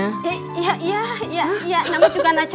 namanya juga anak cowok